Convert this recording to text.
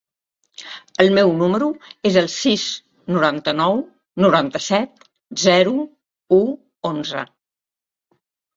El meu número es el sis, noranta-nou, noranta-set, zero, u, onze.